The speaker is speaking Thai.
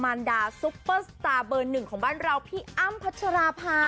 รดาซุปเปอร์สตาร์เบอร์หนึ่งของบ้านเราพี่อ้ำพัชราภา